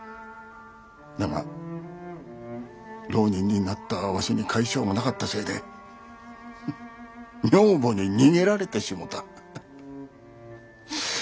だが浪人になったわしに甲斐性がなかったせいで女房に逃げられてしもうた。